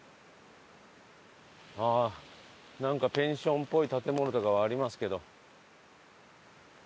ああなんかペンションっぽい建物とかはありますけど。